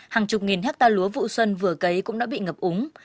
hàng chục nghìn hectare lúa vụ xuân vừa cấy cũng đã bị ngập úng